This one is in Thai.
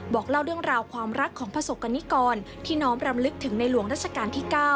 บอกเล่าเรื่องราวความรักของประสบกรณิกรที่น้อมรำลึกถึงในหลวงราชการที่๙